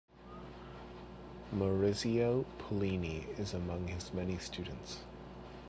Maurizio Pollini is among his many students.